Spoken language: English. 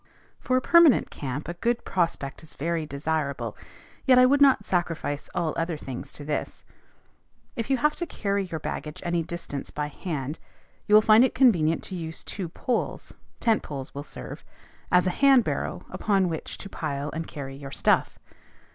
For a permanent camp a good prospect is very desirable; yet I would not sacrifice all other things to this. If you have to carry your baggage any distance by hand, you will find it convenient to use two poles (tent poles will serve) as a hand barrow upon which to pile and carry your stuff.